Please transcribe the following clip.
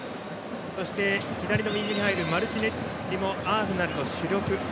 そして、左のマルチネッリもアーセナルの主力。